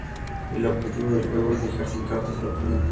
El objetivo del juego es dejar sin cartas al oponente.